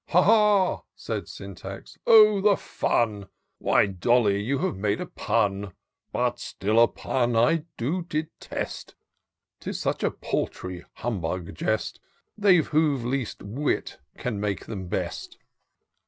" Ha, ha! " said Syntax, " Oh, the fun ! Why, DoUy, you have made a pun : 358 TOUR OF DOCTOR SYNTAX But Still a pun I do detest^ 'Tis such a paltry, humbug jest; They who've least wit can make them best.